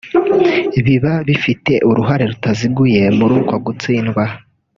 biba bifite uruhare rutaziguye muri uko gutsindwa